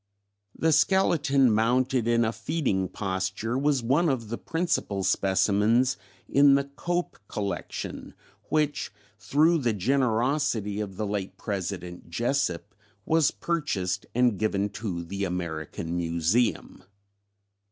"The skeleton mounted in a feeding posture was one of the principal specimens in the Cope Collection, which, through the generosity of the late President Jesup, was purchased and given to the American Museum.